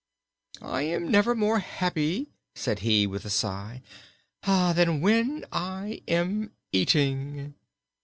"I am never more happy," said he with a sigh, "than when I am eating."